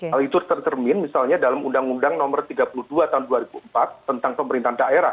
hal itu tercermin misalnya dalam undang undang nomor tiga puluh dua tahun dua ribu empat tentang pemerintahan daerah